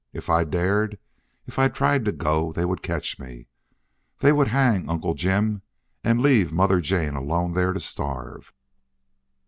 If I dared if I tried to go they would catch me. They would hang Uncle Jim and leave Mother Jane alone there to starve."